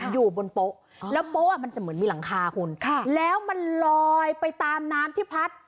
อยู่บนโป๊ะแล้วโป๊ะมันจะเหมือนมีหลังคาคุณค่ะแล้วมันลอยไปตามน้ำที่พัด